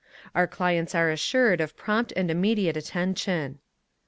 Our clients are assured of prompt and immediate attention.